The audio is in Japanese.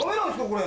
これ。